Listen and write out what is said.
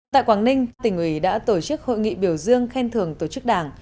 tại quảng ninh tỉnh ủy đã tổ chức hội nghị biểu dương khen thưởng tổ chức đảng